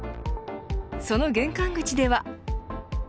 その玄関口では。